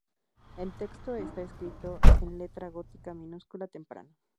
El texto está escrito en letra gótica minúscula temprana.